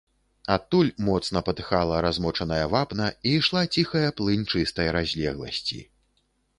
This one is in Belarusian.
Адтуль моцна патыхала размочаная вапна, і ішла ціхая плынь чыстай разлегласці.